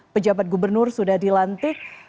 pejabat gubernur sudah dilantik